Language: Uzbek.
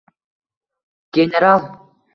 — General?